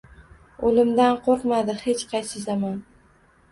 O‘limdan qo‘rqmadi — hech qaysi zamon